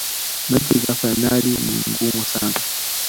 mechi za fainali ni ngumu sana